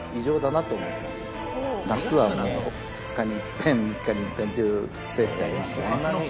夏はもう２日に一遍３日に一遍というペースでありますね。